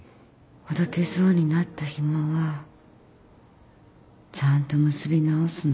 ほどけそうになったひもはちゃんと結び直すの。